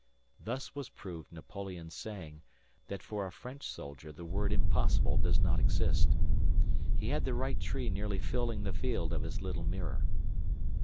Thus was proved Napoleon's saying, that for a French soldier the word impossible does not exist. He had the right tree nearly filling the field of his little mirror.